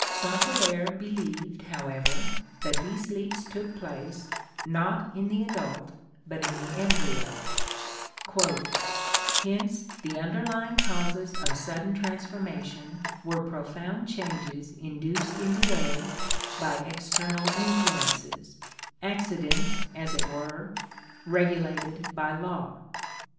St. Hilaire believed, however, that these leaps took place, not in the adult but in the embryo, "hence the underlying causes of sudden trans formation were profound changes induced in the egg by external influences, accidents as it were, regulated by law."